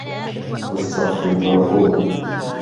وَالسَّقفِ المَرفوعِ